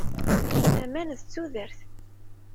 Aman d tudert.